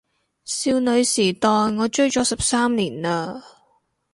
少女時代我追咗十三年喇